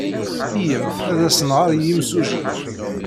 Iyyamt ad as-nɣer i yimsujji.